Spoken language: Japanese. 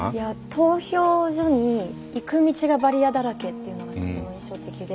投票所に行く道がバリアだらけっていうのがとても印象的で。